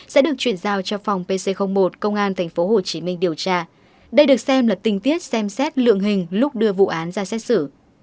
sẽ được chuyển giao cho phòng pc một công an tp hcm điều tra đây được xem là tình tiết xem xét lượng hình lúc đưa vụ án ra xét xử